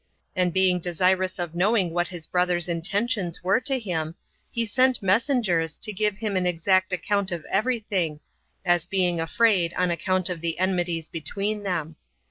And being desirous of knowing what his brother's intentions were to him, he sent messengers, to give him an exact account of every thing, as being afraid, on account of the enmities between them.